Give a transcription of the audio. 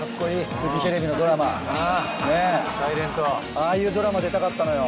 ああいうドラマ出たかったのよ。